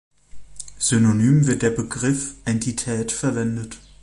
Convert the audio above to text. Synonym wird der Begriff "Entität" verwendet.